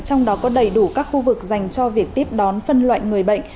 trong đó có đầy đủ các khu vực dành cho việc tiếp đón phân loại người bệnh